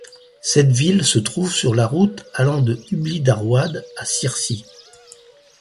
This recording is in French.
Cette ville se trouve sur la route allant de Hubli-Dharwad à Sirsi.